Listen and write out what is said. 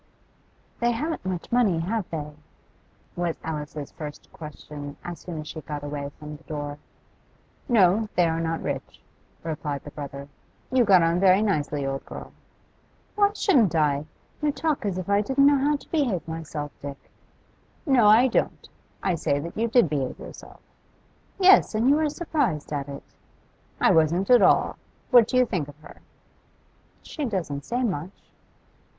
'They haven't much money, have they?' was Alice's first question as soon as she got away from the door. 'No, they are not rich,' replied the brother. 'You got on very nicely, old girl.' 'Why shouldn't I? You talk as if I didn't know how to behave myself, Dick.' 'No, I don't. I say that you did behave yourself.' 'Yes, and you were surprised at it.' 'I wasn't at all. What do you think of her?' 'She doesn't say much.